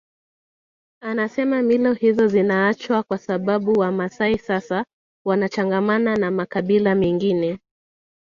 Anasema mila hizo zinaachwa kwa sababu Wamaasai sasa wanachangamana na makabila mengine